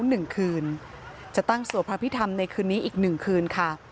หนึ่งคืนจะตั้งสวดพระพิธรรมในคืนนี้อีกหนึ่งคืนค่ะ